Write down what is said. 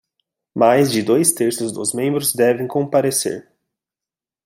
Mais de dois terços dos membros devem comparecer